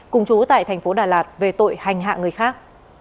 cùng chú tại tp đà lạt về tội hành hạ người khác